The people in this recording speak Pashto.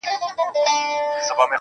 مرگ په سوال غواړمه دا رقم ته مات یم